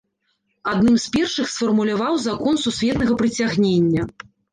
Адным з першых сфармуляваў закон сусветнага прыцягнення.